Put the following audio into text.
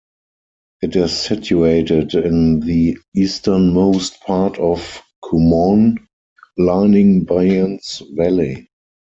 It is situated in the easternmost part of Kumaun, lining Byans Valley.